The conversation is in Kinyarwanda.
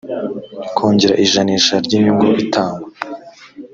kongera ijanisha ry inyungu itangwa